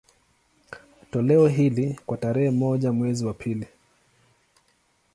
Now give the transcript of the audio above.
Toleo hili, kwa tarehe moja mwezi wa pili